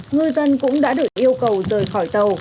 ngư dân cũng đã được yêu cầu rời khỏi tàu